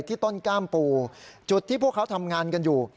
ต้นกล้ามปูจุดที่พวกเขาทำงานกันอยู่